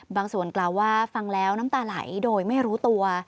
ส่วนกล่าวว่าฟังแล้วน้ำตาไหลโดยไม่รู้ตัว